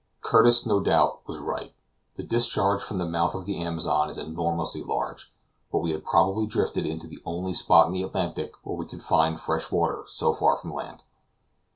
Curtis, no doubt, was right. The discharge from the mouth of the Amazon is enormously large, but we had probably drifted into the only spot in the Atlantic where we could find fresh water so far from land.